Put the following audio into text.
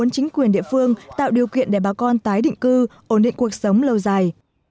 chính quyền địa phương tạo điều kiện để bà con tái định cư ổn định cuộc sống lâu dài